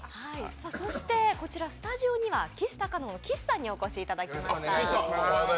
そしてスタジオにはきしたかの岸さんにお越しいただきました。